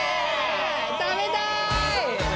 食べたい！